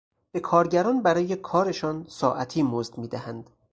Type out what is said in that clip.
به کارگران برای کارشان ساعتی مزد میدهند.